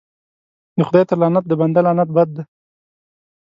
د خداى تر لعنت د بنده لعنت بد دى.